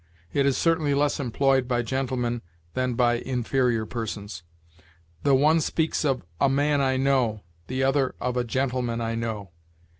It is certainly less employed by gentlemen than by inferior persons. The one speaks of 'a man I know,' the other of 'a gentleman I know.'